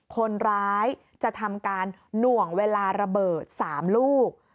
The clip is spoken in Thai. คนร้ายจะทำการหน่วงเวลาระเบิด๓ลูก